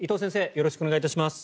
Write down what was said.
よろしくお願いします。